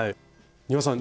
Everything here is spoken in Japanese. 丹羽さん